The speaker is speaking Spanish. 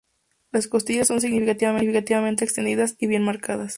Las costillas son significativamente extendidas y bien marcadas.